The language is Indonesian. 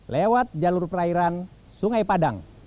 lewat jalur perairan sungai padang